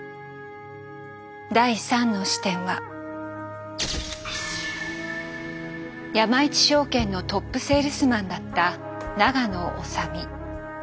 第３の視点は山一証券のトップセールスマンだった永野修身。